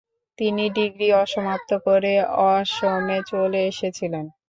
তিনি ডিগ্রী অসমাপ্ত করে অসমে চলে এসেছিলেন।